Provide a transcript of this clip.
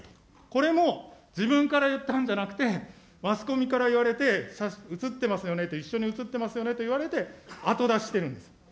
これも自分から言ったんじゃなくて、マスコミから言われて、写ってますよねと、一緒に写ってますよねと言われて、後出ししてるんです。